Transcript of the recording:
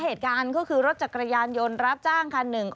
เหตุการณ์ก็คือรถจักรยานยนต์รับจ้างคันหนึ่ง